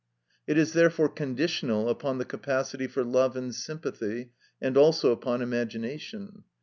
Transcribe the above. It is therefore conditional upon the capacity for love and sympathy, and also upon imagination.